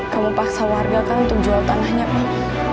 kamu paksa warga kan untuk jual tanahnya pak